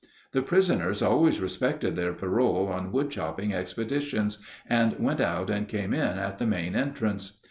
The prisoners always respected their parole on wood chopping expeditions, and went out and came in at the main entrance.